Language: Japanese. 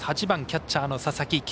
８番キャッチャーの佐々木。